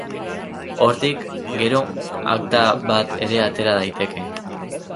Hortik, gero, akta bat ere atera daiteke.